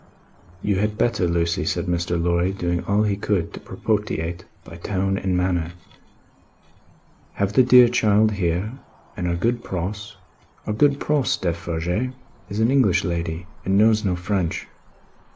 "You had better, Lucie," said Mr. Lorry, doing all he could to propitiate, by tone and manner, "have the dear child here, and our good Pross. Our good Pross, Defarge, is an English lady, and knows no French."